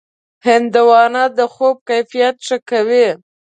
هندوانه د خوب کیفیت ښه کوي.